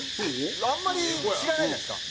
あんまり知らないじゃないですか。